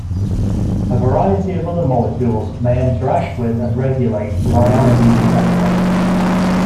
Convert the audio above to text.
A variety of other molecules may interact with and regulate ryanodine receptor.